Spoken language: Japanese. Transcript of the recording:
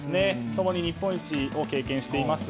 共に日本一を経験しています。